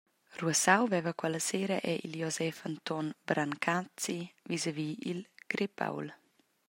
Ruassau veva quella sera era il Josef Anton Brancazi visavi il Grepault.